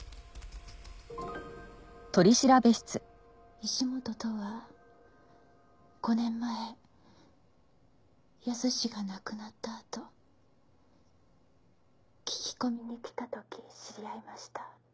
石本とは５年前保志が亡くなったあと聞き込みに来た時知り合いました。